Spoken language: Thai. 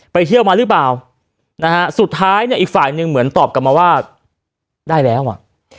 ไปเที่ยวมาหรือเปล่านะฮะสุดท้ายเนี่ยอีกฝ่ายหนึ่งเหมือนตอบกลับมาว่าได้แล้วอ่ะ